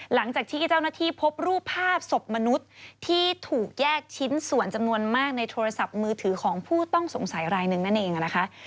หลังจากที่เจ้าหน้าที่พบรูปภาพศพมนุษย์ที่ถูกแยกชิ้นส่วนจำนวนมากในโทรศัพท์มือถือของผู้ต้องสงสัยรายหนึ่งนั่นเองนะคะ